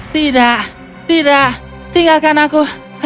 tidak tidak tinggalkan aku